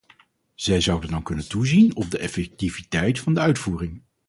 Zij zouden dan kunnen toezien op de effectiviteit van de uitvoering.